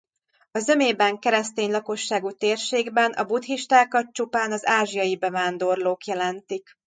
A zömében keresztény lakosságú térségben a buddhistákat csupán az ázsiai bevándorlók jelentik.